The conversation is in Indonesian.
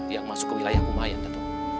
yang masuk ke wilayah kumayan dato